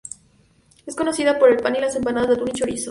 Es conocida por el pan y las empanadas de atún y chorizo.